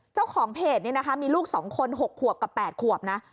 เจ้าของเพจนี้นะคะมีลูก๒คน๖ขวบกับ๘ขวบนะ